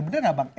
benar nggak bang